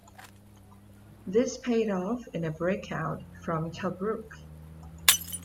This paid off in the breakout from Tobruk.